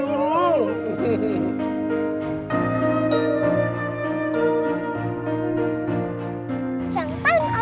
jangan lupa papa